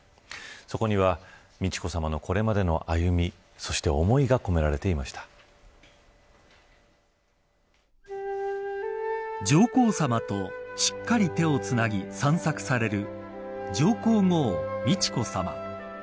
そこには美智子さまのこれまでの歩みそして上皇さまとしっかり手をつなぎ散策される上皇后美智子さま。